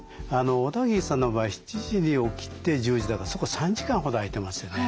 小田切さんの場合７時に起きて１０時だからそこ３時間ほど空いてますよね。